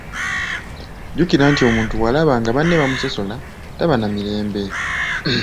Jjukira nti omuntu bw’alaba nga banne bamusosola, taba na mirembe.